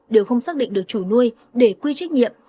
đều không xác định được chủ nuôi để quy trách nhiệm